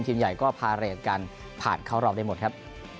ทีมใหญ่ก็พาเรทกันผ่านเข้ารอบได้หมดครับ